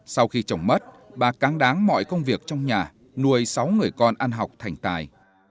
sau khi chồng mất bà cáng đáng mọi công việc trong nhà nuôi sáu người con ăn học thành tài